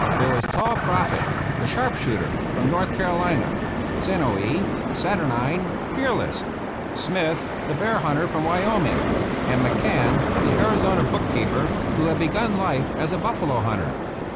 There was tall Proffit, the sharp shooter, from North Carolina — sinewy, saturnine, fearless; Smith, the bear hunter from Wyoming, and McCann, the Arizona book keeper, who had begun life as a buffalo hunter.